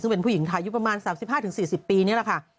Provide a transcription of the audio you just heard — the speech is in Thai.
ซึ่งเป็นผู้หญิงไทยอายุประมาณ๓๕๔๐ปีนี่แหละค่ะ